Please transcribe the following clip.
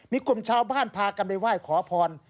มีกลุ่มชาวบ้านพากันไปไหว้ขอพร